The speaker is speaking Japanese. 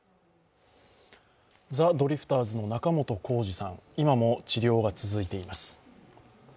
ザ・ドリフターズの仲本工事さん、今も治療が続いています。